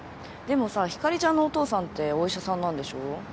でもさひかりちゃんのお父さんってお医者さんなんでしょ？